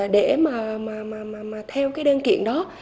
để mà theo cái đơn kiện đó